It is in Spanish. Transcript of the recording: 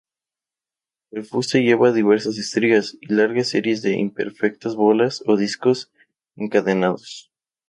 El fuste lleva diversas estrías y largas series de imperfectas bolas o discos encadenados.